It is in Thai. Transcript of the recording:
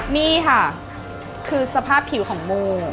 นี่ค่ะคือสภาพผิวของโม